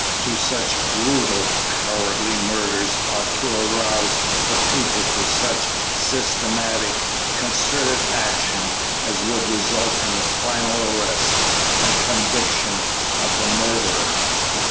Two such brutal, cowardly murders ought to arouse the people to such systematic, concerted action as would result in the final arrest and conviction of the murderer."